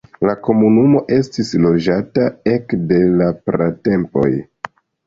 La komunumo estis loĝata ekde la pratempoj.